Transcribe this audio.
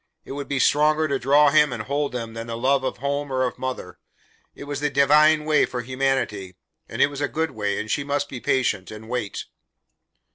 It would be stronger to draw him and hold him than love of home or of mother; it was the divine way for humanity, and it was a good way, and she must be patient and wait.